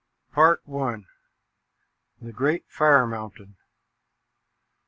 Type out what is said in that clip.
PART I. THE GREAT FIRE MOUNTAIN.